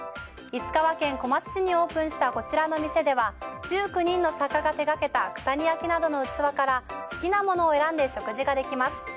石川県小松市にオープンしたこちらの店では１９人の作家が手掛けた九谷焼などの器から好きなものを選んで食事ができます。